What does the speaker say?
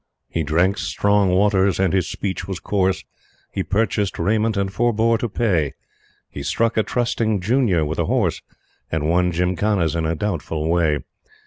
He drank strong waters and his speech was coarse; He purchased raiment and forebore to pay; He struck a trusting junior with a horse, And won Gymkhanas in a doubtful way.